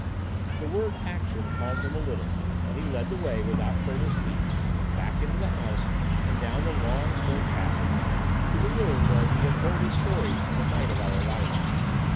The word "action" calmed him a little, and he led the way, without further speech, back into the house, and down the long stone passage to the room where we had heard his stories on the night of our arrival.